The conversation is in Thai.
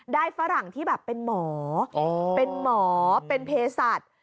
ได้ฝรั่งที่เป็นหมอเป็นหมอเป็นเพศสัตว์